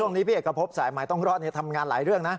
ช่วงนี้พี่เอกภพสายใหม่ต้องรอดเนี่ยทำงานหลายเรื่องนะ